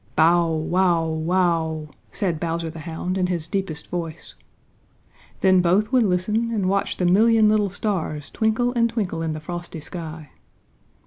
"Bow wow wow," said Bowser the Hound in his deepest voice. Then both would listen and watch the million little stars twinkle and twinkle in the frosty sky.